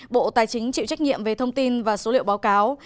bộ tài chính chịu trách nhiệm về thông tin và số liệu báo cáo